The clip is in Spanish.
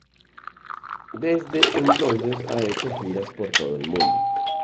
Desde entonces ha hecho giras por todo el mundo.